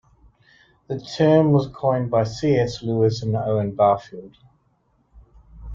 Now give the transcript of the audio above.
The term was coined by C. S. Lewis and Owen Barfield.